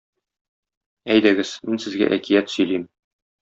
Әйдәгез, мин сезгә әкият сөйлим.